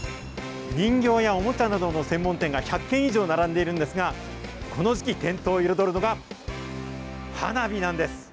人形やおもちゃなどの専門店が１００軒以上並んでいるんですが、この時期、店頭を彩るのが、花火なんです。